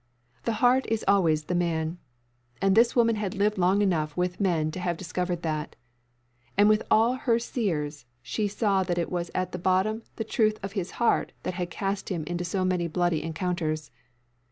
The heart is always the man. And this woman had lived long enough with men to have discovered that. And with all his sears she saw that it was at bottom the truth of his heart that had cast him into so many bloody encounters.